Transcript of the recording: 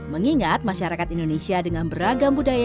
mengingat masyarakat indonesia dengan beragam budaya